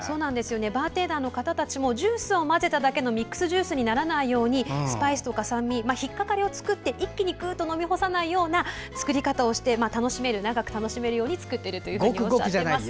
バーテンダーの方たちもジュースを混ぜただけのミックスジュースにならないようスパイスとか酸味引っ掛かりを作って一気にぐっと飲み干さないような作り方をして長く楽しめるように作っているとおっしゃっています。